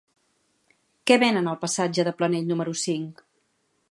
Què venen al passatge de Planell número cinc?